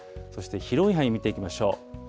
そして広い範囲を見ていきましょう。